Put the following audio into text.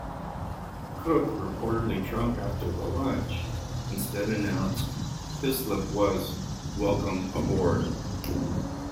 Cook, reportedly drunk after the lunch, instead announced Hislop was "welcome aboard".